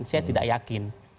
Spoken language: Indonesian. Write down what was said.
saya tidak yakin